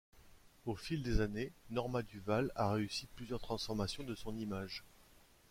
Au fil des années, Norma Duval a réussi plusieurs transformations de son image.